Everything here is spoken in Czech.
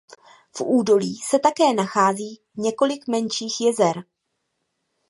V údolí se také nachází několik menších jezer.